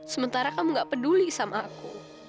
sementara kamu gak peduli sama aku